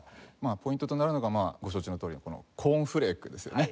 ポイントとなるのがまあご承知のとおり「コーンフレーク」ですよね。